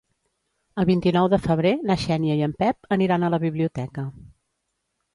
El vint-i-nou de febrer na Xènia i en Pep aniran a la biblioteca.